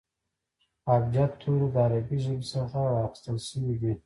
ابجد توري د عربي ژبي څخه را اخستل سوي دي.